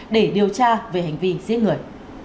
để điều tra về hành vi giết người